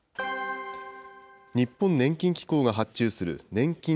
日本年金機構が発注するねんきん